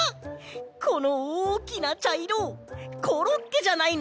このおおきなちゃいろコロッケじゃないの？